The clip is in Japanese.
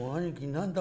「何だ？」。